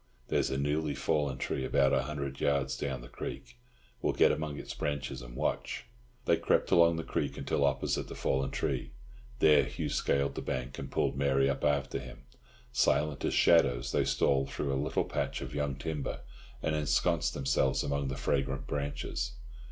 There's a newly fallen tree about a hundred yards down the creek; we'll get among its branches and watch." They crept along the creek until opposite the fallen tree; there Hugh scaled the bank and pulled Mary up after him. Silent as shadows, they stole through a little patch of young timber, and ensconced themselves among the fragrant branches.